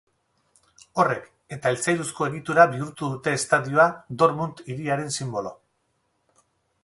Horrek eta altzairuzko egiturak bihurtu dute estadioa Dortmund hiriaren sinbolo.